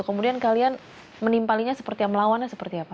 kemudian kalian menimpalinya seperti yang melawannya seperti apa